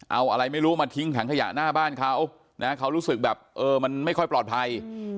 เอาอะไรไม่รู้มาทิ้งถังขยะหน้าบ้านเขานะเขารู้สึกแบบเออมันไม่ค่อยปลอดภัย